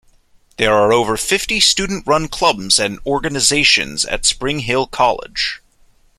There are over fifty student-run clubs and organizations at Spring Hill College.